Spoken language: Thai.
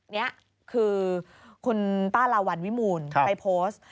นี่คือคุณป้าลาวัลวิมูลไปโพสต์